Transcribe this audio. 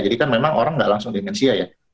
jadi kan memang orang nggak langsung demensia ya